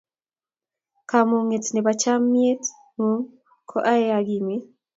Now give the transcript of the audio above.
kamangunet nebo chamiet ng'un ko ae agimit